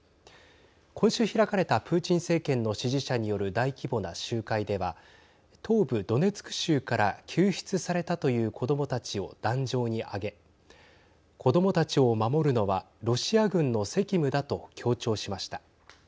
今週開かれたプーチン政権の支持者による大規模な集会では東部ドネツク州から救出されたという子どもたちを壇上に上げ子どもたちを守るのはロシア軍の責務だと強調しました。